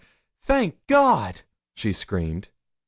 thank God!' she screamed.